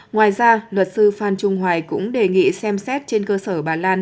ngoài ra luật sư phan trung hoài cũng đề nghị xem xét trên cơ sở bà lan